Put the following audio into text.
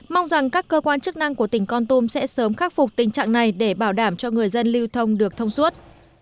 mong rằng các cơ quan chức năng của tỉnh con tum sẽ sớm khắc phục tình trạng này để bảo đảm cho người dân lưu thông được thông suốt